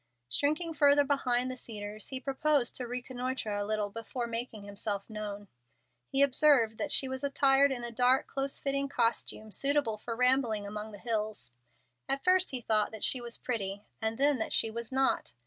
Shrinking further behind the cedars he proposed to reconnoitre a little before making himself known. He observed that she was attired in a dark, close fitting costume suitable for rambling among the hills. At first he thought that she was pretty, and then that she was not.